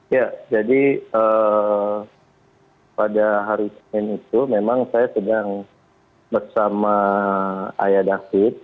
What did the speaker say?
ya jadi pada hari senin itu memang saya sedang bersama ayah david